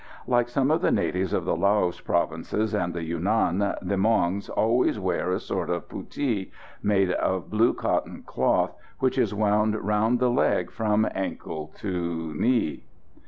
Like some of the natives of the Laos provinces and the Yunan, the Muongs always wear a sort of puttie, made of blue cotton cloth, which is wound round the leg from ankle to knee.